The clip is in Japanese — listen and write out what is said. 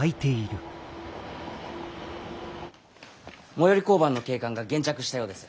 最寄り交番の警官が現着したようです。